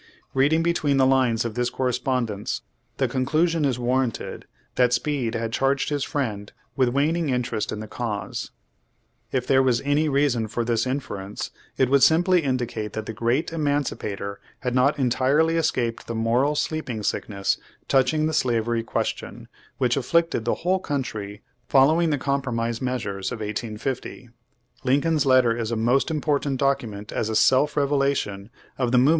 Reading between the lines of this correspondence the conclusion is v/arranted that Speed had charged his friend with waning interest in the cause. If tnere was any reason for this inference, it would simply indicate that the Great Emancipator had not en tirely escaped the moral "sleeping sickness" touching the slavery question which afflicted the whole country following the compromise m^eas ures of 1850. Lincoln's letter is a most important document as a self revelation of the movem.